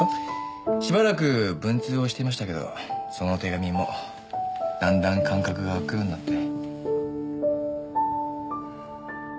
しばらく文通をしていましたけどその手紙もだんだん間隔が開くようになって。